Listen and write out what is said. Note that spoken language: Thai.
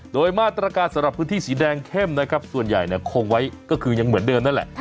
โดยมาตรการสำหรับพื้นที่สีแดงเข้มนะครับส่วนใหญ่คงไว้ก็คือยังเหมือนเดิมนั่นแหละ